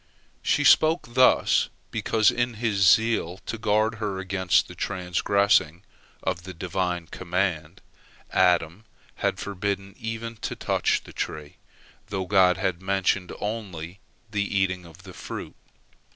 She spoke thus, because in his zeal to guard her against the transgressing of the Divine command, Adam had forbidden Eve to touch the tree, though God had mentioned only the eating of the fruit.